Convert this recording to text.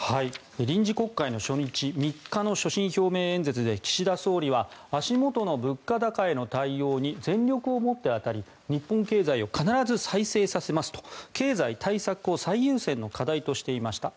臨時国会の初日３日の所信表明演説で岸田総理は足元の物価高への対応に全力を持って当たり日本経済を必ず再生させますと経済対策を最優先の課題としていました。